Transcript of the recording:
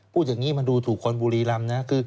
พูดอย่างนี้มันจะห้มถูกคนบูรีรำ